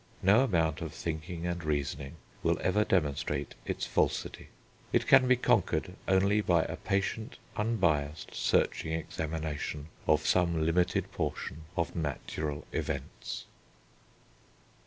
No amount of thinking and reasoning will ever demonstrate its falsity. It can be conquered only by a patient, unbiassed, searching examination of some limited portion of natural events.